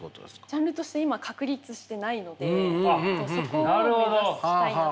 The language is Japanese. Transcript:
ジャンルとして今確立してないのでそこを目指したいなと思って。